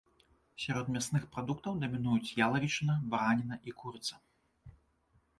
Сярод мясных прадуктаў дамінуюць ялавічына, бараніна і курыца.